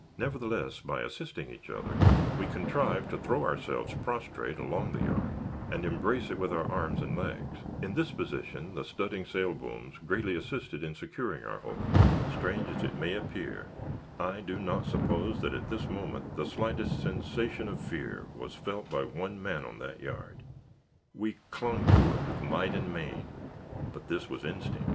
Nevertheless, by assisting each other, we contrived to throw ourselves prostrate along the yard, and embrace it with our arms and legs. In this position the studding sail booms greatly assisted in securing our hold. Strange as it may appear, I do not suppose that, at this moment, the slightest sensation of fear was felt by one man on that yard. We clung to it with might and main; but this was instinct.